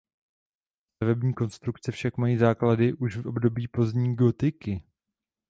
Stavební konstrukce však mají základy už v období pozdní gotiky.